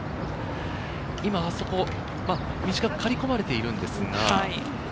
今、あそこ、短く刈り込まれているんですが。